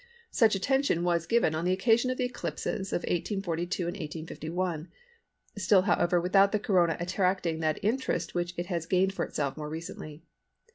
Such attention was given on the occasion of the eclipses of 1842 and 1851, still however without the Corona attracting that interest which it has gained for itself more recently.